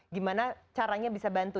gimana caranya bisa bantu